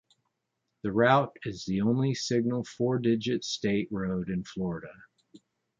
The route is the only signed four-digit state road in Florida.